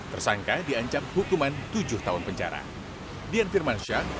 tersangka diancam hukuman tujuh tahun penjara